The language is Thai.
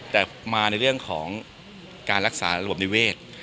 แต่มาในเรื่องของการรักษาระบบนิเวศ